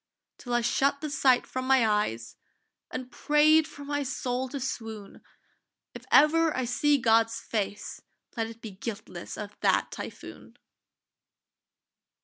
Till I shut the sight from my eyes And prayed for my soul to swoon: If ever I see God's face, let it Be guiltless of that typhoon!